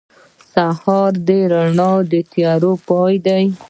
• د سهار رڼا د تیارو پای دی.